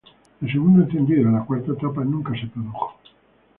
El segundo encendido de la cuarta etapa nunca se produjo.